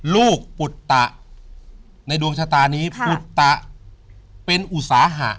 ลูกปุตตะในดวงชะตานี้ปุตตะเป็นอุตสาหะ